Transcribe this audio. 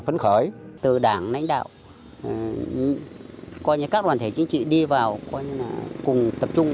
phấn khởi từ đảng lãnh đạo coi như các đoàn thể chính trị đi vào coi như là cùng tập trung